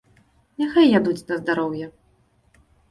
Няхай ядуць на здароўе.